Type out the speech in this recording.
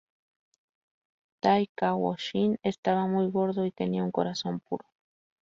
Dai Kaiō Shin estaba muy gordo y tenía un corazón puro.